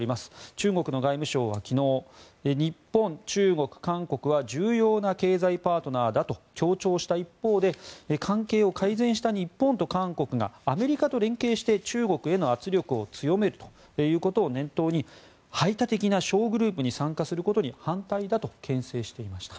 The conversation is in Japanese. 中国の外務省は昨日日本、中国、韓国は重要な経済パートナーだと強調した一方で関係を改善した日本と韓国がアメリカと連携して中国への圧力を強めるということを念頭に排他的な小グループに参加することに反対だとけん制していました。